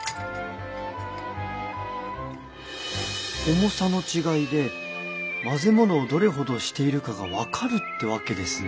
重さの違いで混ぜ物をどれほどしているかが分かるってわけですね？